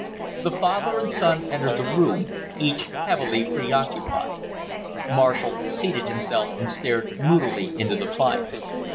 The father and son entered the room, each heavily preoccupied. Marshall seated himself and stared moodily into the fire.